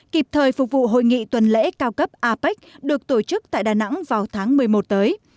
kịp thời phục vụ hội nghị tuần lễ cao cấp apec được tổ chức tại đà nẵng vào tháng một mươi một tới